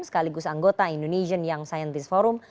sekaligus anggota indonesian young scientist forum